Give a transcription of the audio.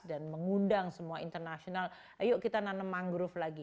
dan mengundang semua internasional ayo kita nanam mangrove lagi